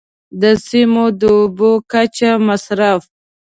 د سیمو د اوبو کچه، مصرف.